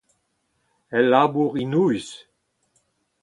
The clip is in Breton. ul labour enoeüs.